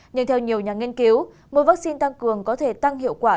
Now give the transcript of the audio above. nhưng theo nhiều nhà nghiên cứu mua vaccine tăng cường có thể tăng hiệu quả